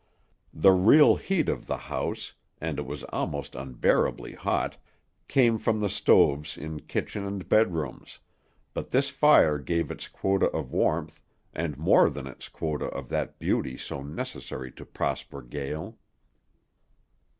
The real heat of the house, and it was almost unbearably hot, came from the stoves in kitchen and bedrooms, but this fire gave its quota of warmth and more than its quota of that beauty so necessary to Prosper Gael.